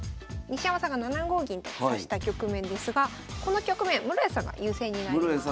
西山さんが７五銀と指した局面ですがこの局面室谷さんが優勢になります。